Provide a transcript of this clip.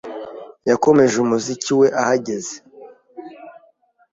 yakomeje umuziki we ahageze